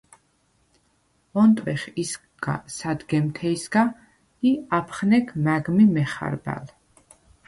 ონტვეხ ისგა სადგემთეჲსგა ი აფხნეგ მა̈გ მი მეხარბალ.